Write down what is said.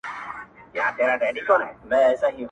o په جنگ کي يو گام د سلو کلو لاره ده!